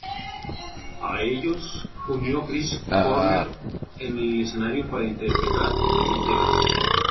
A ellos unió Chris Cornell en el escenario para interpretar el tema.